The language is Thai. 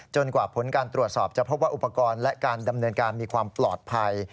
กว่าผลการตรวจสอบจะพบว่าอุปกรณ์และการดำเนินการมีความปลอดภัย